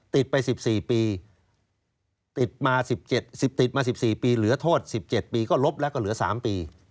ติดไป๑๔ปีติดมา๑๗๑ติดมา๑๔ปีเหลือโทษ๑๗ปีก็ลบแล้วก็เหลือ๓ปี